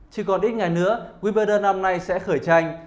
chỉ còn ít ngày nữa wiverder năm nay sẽ khởi tranh